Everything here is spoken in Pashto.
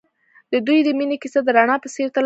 د دوی د مینې کیسه د رڼا په څېر تلله.